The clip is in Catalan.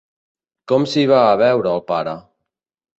Com s'hi va a veure el pare?